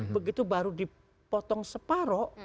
begitu baru dipotong separoh